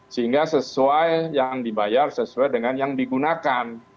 sehingga sesuai yang dibayar sesuai dengan yang digunakan